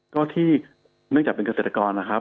ก็ที่เนื่องจากเป็นเกษตรกรนะครับ